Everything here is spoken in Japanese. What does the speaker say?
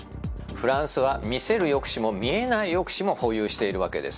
フランスは見せる抑止も見えない抑止も保有しているわけです。